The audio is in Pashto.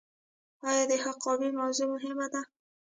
آیا د حقابې موضوع مهمه ده؟